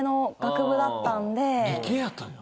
理系やったんや。